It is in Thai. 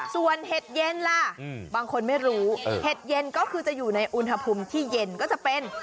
ส่วนเห็ดเย็นล่ะบางคนไม่รู้เห็ดเย็นก็คือจะอยู่ในอุณหภูมิที่เย็นก็จะเป็น